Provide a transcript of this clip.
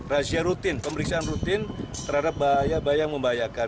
razia rutin pemeriksaan rutin terhadap bayang bayang membahayakan